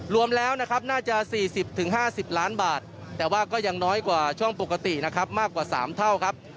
รวมแล้วนะครับน่าจะ๔๐๕๐ล้านบาทแต่ว่าก็ยังน้อยกว่าช่วงปกตินะครับมากกว่า๓เท่าครับ